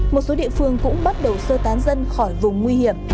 một số địa phương cũng bắt đầu sơ tán dân khỏi vùng nguy hiểm